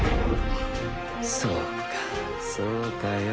そうかそうかよ